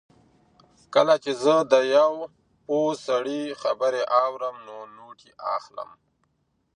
کله چې زه د یو پوه سړي خبرې اورم نو نوټ یې اخلم.